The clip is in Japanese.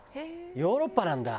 ヨーロッパなんだ。